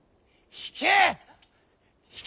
引け！